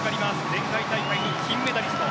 前回大会の金メダリスト。